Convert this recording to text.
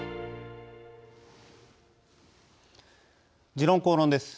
「時論公論」です。